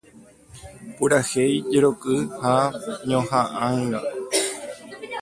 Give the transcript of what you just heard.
Purahéi, jeroky ha ñoha'ãnga.